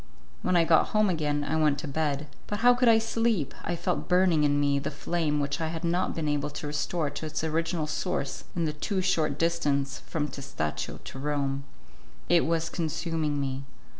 When I got home again, I went to bed; but how could I sleep? I felt burning in me the flame which I had not been able to restore to its original source in the too short distance from Testaccio to Rome. It was consuming me.